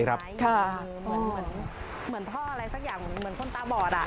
เหมือนท่ออะไรสักอย่างเหมือนคนตาบอดอ่ะ